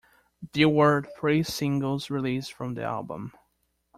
There were three singles released from the album.